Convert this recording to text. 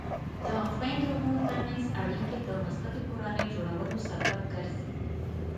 د خویندو ورونو ترمنځ اړیکې د مثبتې کورنۍ جوړولو سبب ګرځي.